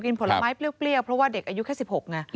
ผลไม้เปรี้ยวเพราะว่าเด็กอายุแค่๑๖ไง